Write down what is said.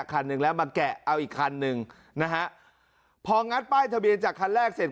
คันหนึ่งแล้วมาแกะเอาอีกคันหนึ่งนะฮะพองัดป้ายทะเบียนจากคันแรกเสร็จ